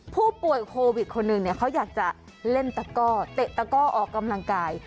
ผู้ป่วยโควิดคนหนึ่งเนี่ยเขาอยากจะเล่นตะก้อเตะตะก้อออกกำลังกาย